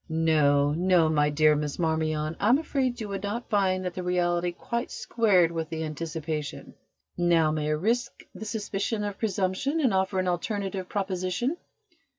"No, no, my dear Miss Marmion, I am afraid you would not find that the reality quite squared with the anticipation. Now, may I risk the suspicion of presumption and offer an alternative proposition?"